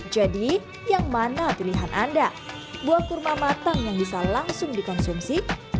jadi yang mana pilihan anda buah kurma matang yang bisa langsung dikonsumsi